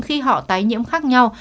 khi họ tái nhiễm khác nhau